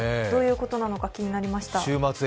どういうことなのか気になりました。